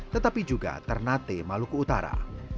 tetapi juga ternate maluku utara